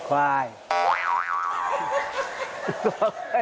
วิวพาย